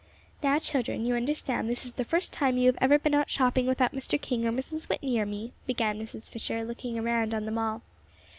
"Now, children, you understand this is the first time you have ever been out shopping without Mr. King or Mrs. Whitney or me," began Mrs. Fisher, looking around on them all.